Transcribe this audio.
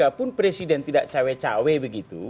walaupun presiden tidak cawai cawai begitu